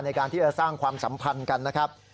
ในการที่จะสร้างความสัมพันธ์กันนะครับ